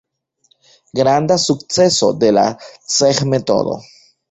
Granda sukceso de la Cseh-metodo.